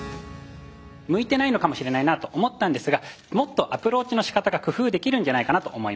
向いてないのかもしれないなと思ったんですがもっとアプローチのしかたが工夫できるんじゃないかなと思いました。